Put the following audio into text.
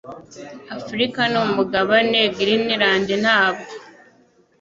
Afurika ni umugabane; Greenland ntabwo.